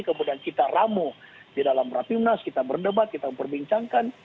kemudian kita ramu di dalam rapimnas kita berdebat kita memperbincangkan